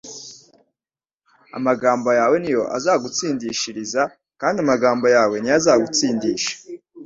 Amagambo yawe niyo azagutsindishiriza, kandi amagambo yawe niyo azagutsindisha.»